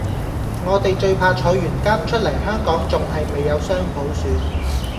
我地最怕坐完監出黎香港仲係未有雙普選